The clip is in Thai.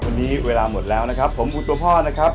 วันนี้เวลาหมดแล้วนะครับผมหมูตัวพ่อนะครับ